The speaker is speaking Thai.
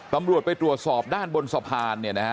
ตำรวจไปตรวจสอบด้านบนสะพานเนี่ยนะฮะ